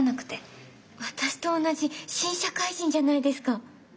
私と同じ新社会人じゃないですか。